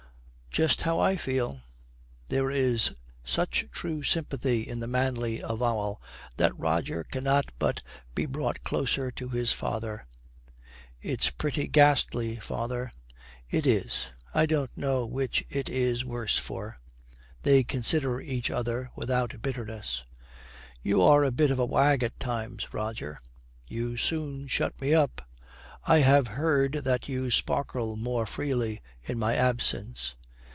'Just how I feel.' There is such true sympathy in the manly avowal that Roger cannot but be brought closer to his father. 'It's pretty ghastly, father.' 'It is. I don't know which it is worse for.' They consider each other without bitterness. 'You are a bit of a wag at times, Roger.' 'You soon shut me up.' 'I have heard that you sparkle more freely in my absence.'